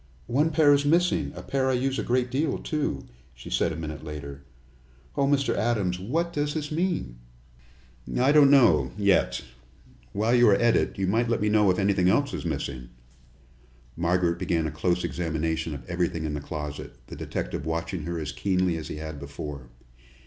"One pair is missing a pair I use a great deal, too," she said a minute later. "Oh, Mr. Adams, what does this mean?" "I don't know yet. While you are at it, you might let me know if anything else is missing." Margaret began a close examination of everything in the closet, the detective watching her as keenly as he had before.